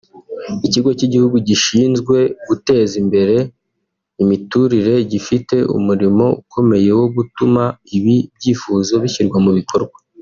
Ikigo cy’igihugu gishinzwe guteza imbere imiturire gifite umurimo ukomeye wo gutuma ibi byifuzo bishyirwa mu bikorwa